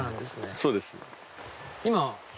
そうです